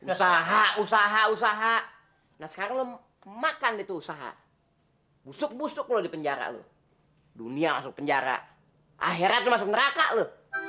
usaha usaha usaha nah sekarang lo makan di itu usaha busuk busuk lo di penjara lo dunia masuk penjara akhirnya tuh masuk neraka lo